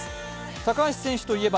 高橋選手といえば、